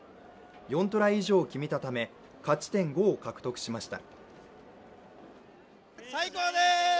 ４トライ以上を決めたため勝ち点５を獲得しました。